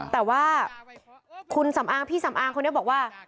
แต่ว่าคุณสำอางพี่สำอางคนนี้บอกว่า